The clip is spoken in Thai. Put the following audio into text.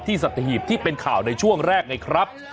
สัตว์หีบที่เป็นข่าวในช่วงแรกไงครับ